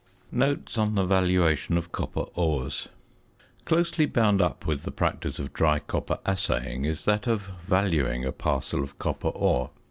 NOTES ON THE VALUATION OF COPPER ORES. Closely bound up with the practice of dry copper assaying is that of valuing a parcel of copper ore.